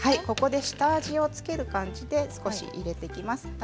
ここで下味を付ける感じで入れていきます。